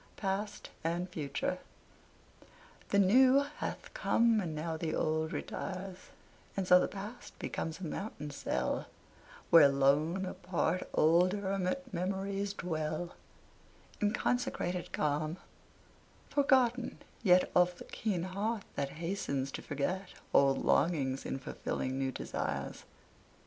PAST AND FUTURE THE NEW HATH COME AND NOW THE OLD RETIRES: And so the past becomes a mountain cell, Where lone, apart, old hermit memories dwell In consecrated calm, forgotten yet Of the keen heart that hastens to forget Old longings in fulfilling new desires.